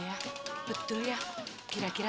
bapak bapak ibu ibu ibu